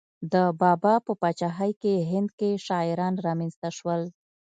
د بابا په پاچاهۍ کې هند کې شاعران را منځته شول.